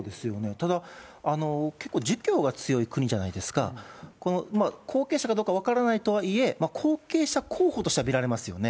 ただ、結構、儒教が強い国じゃないですか、この後継者かどうか分からないとはいえ、後継者候補としては見られますよね。